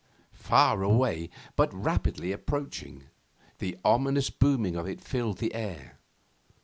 Far away, but rapidly approaching, the ominous booming of it filled the air.